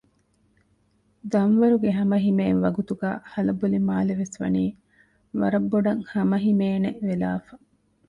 ދަންވަރުގެ ހަމަ ހިމޭން ވަގުތުގައި ހަލަބޮލި މާލެ ވެސް ވަނީ ވަރައް ބޮޑައް ހަމަހިމޭނެ ވެލާފަ